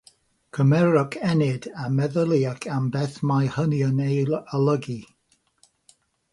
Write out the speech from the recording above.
Cymerwch ennyd a meddyliwch am beth mae hynny'n ei olygu.